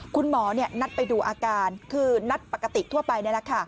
คุณหมอนัดไปดูอาการคือนัดปกติทั่วไปเนี่ยนะคะ